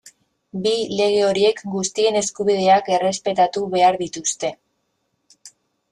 Bi, lege horiek guztien eskubideak errespetatu behar dituzte.